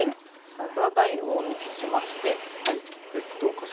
サラダ油を熱しまして。